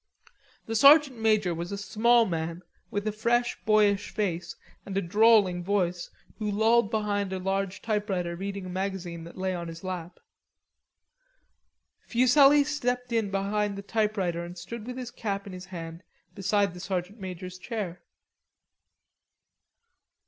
The sergeant major was a small man with a fresh boyish face and a drawling voice who lolled behind a large typewriter reading a magazine that lay on his lap. Fuselli slipped in behind the typewriter and stood with his cap in his hand beside the sergeant major's chair.